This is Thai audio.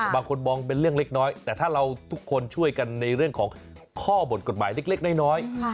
บางคนมองเป็นเรื่องเล็กน้อยแต่ถ้าเราทุกคนช่วยกันในเรื่องของข้อบทกฎหมายเล็กน้อย